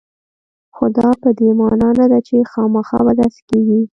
خو دا په دې معنا نه ده چې خامخا به داسې کېږي